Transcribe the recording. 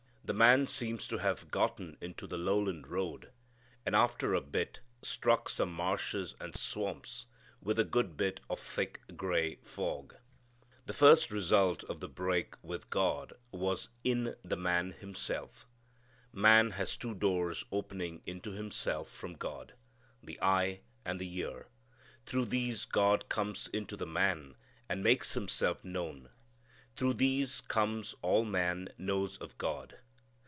The man seems to have gotten into the lowland road, and after a bit, struck some marshes and swamps, with a good bit of thick gray fog. The first result of the break with God was in the man himself. Man has two doors opening into himself from God the eye and the ear. Through these God comes into the man and makes Himself known. Through these comes all man knows of God.